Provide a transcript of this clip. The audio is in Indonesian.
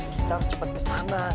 kita harus cepet kesana